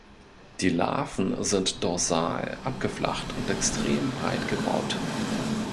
Die Larven sind dorsal abgeflacht und extrem breit gebaut.